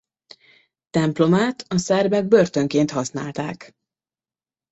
Templomát a szerbek börtönként használták.